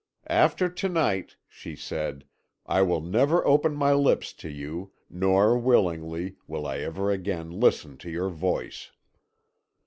"'After to night,' she said, 'I will never open my lips to you, nor, willingly, will I ever again listen to your voice.'